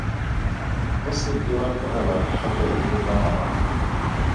O se ke wa tlogela kgato epe kwa morago.